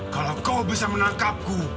kalau kau bisa menangkapku